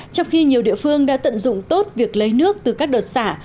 trong khi nhiều địa phương đã tận dụng tốt việc lấy nước từ các đợt xả